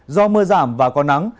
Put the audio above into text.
do mưa giảm và có nắng